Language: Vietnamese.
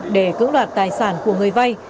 để cưỡng đoạt tài sản của người vay